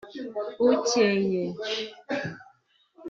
ukeye